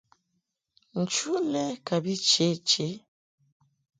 Nchuʼ lɛ laʼ kɨ che che.